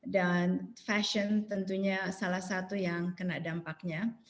dan fashion tentunya salah satu yang kena dampaknya